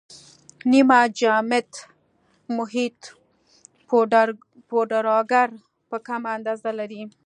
نیمه جامد محیط پوډراګر په کمه اندازه لري.